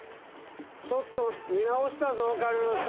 ちょっと見直したぞカルロス。